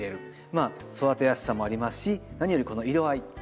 まあ育てやすさもありますし何よりこの色合い。